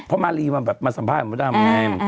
พอมาลีมาสัมภาษณ์กับมัดดำ